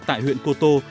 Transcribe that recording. tại huyện cô tô